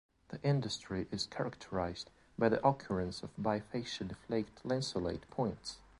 The industry is characterised by the occurrence of bi-facially flaked lanceolate points.